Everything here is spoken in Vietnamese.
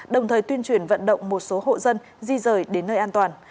đồng thời tuyên truyền vận động một số hộ dân di rời đến nơi an toàn